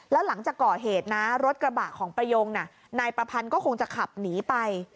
แล้วหลังจากก่อเหตุนะรถกระบะของประโยงนายประพันธ์ก็คงจะขับหนีไป